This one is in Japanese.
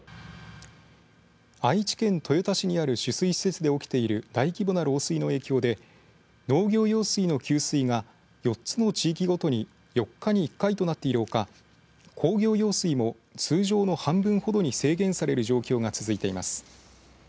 愛知県豊田市にある取水施設で起きている大規模な漏水の影響で農業用水の給水が４つの地域ごとに４日に１回となっているほか工業用水も通常の半分ほどに制限される状況が続いています。